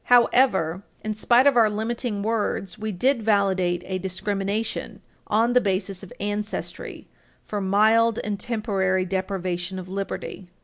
However, in spite of our limiting words, we did validate a discrimination on the basis of ancestry for mild and temporary deprivation of liberty.